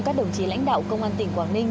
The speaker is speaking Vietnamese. các đồng chí lãnh đạo công an tỉnh quảng ninh